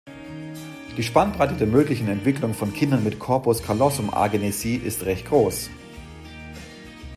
Die Spannbreite der möglichen Entwicklung von Kindern mit Corpus-callosum-Agenesie ist recht groß.